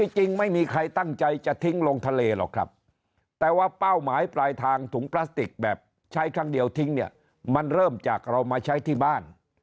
จริงไม่มีใครตั้งใจจะทิ้งลงทะเลหรอกครับแต่ว่าเป้าหมายปลายทางถุงพลาสติกแบบใช้ครั้งเดียวทิ้งเนี่ยมันเริ่มจากเรามาใช้ที่บ้าน